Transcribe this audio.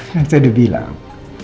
saya udah bilang